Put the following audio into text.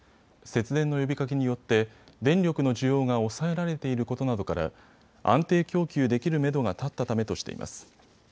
節電の呼びかけによって電力の需要が抑えられていることなどから安定供給できるめどが立ったためとしています。